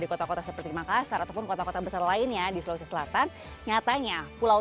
di kota kota seperti makassar ataupun kota kota besar lainnya di sulawesi selatan nyatanya pulau